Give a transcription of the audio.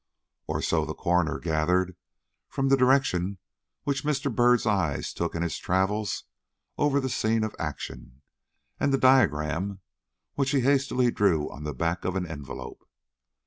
Or, so the coroner gathered from the direction which Mr. Byrd's eye took in its travels over the scene of action, and the diagram which he hastily drew on the back of an envelope.